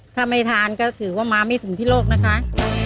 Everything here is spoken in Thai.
ถ้าไม่ทานก็ถือว่ามาไม่ถึงที่โลกนะคะ